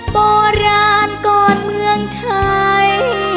โบราณก่อนเมืองชัย